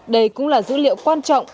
đây cũng là dữ liệu quan trọng